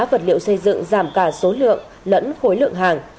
vật liệu xây dựng giảm cả số lượng lẫn khối lượng hàng